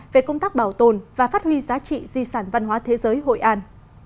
về công tác bảo tồn và phát huy giá trị di sản văn hóa thế giới hội an